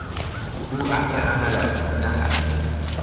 او اهل عمل است نه حرف.